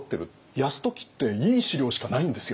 泰時っていい史料しかないんですよ。